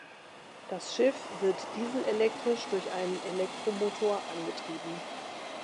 Das Schiff wird dieselelektrisch durch einen Elektromotor angetrieben.